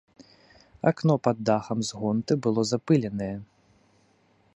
Акно пад дахам з гонты было запыленае.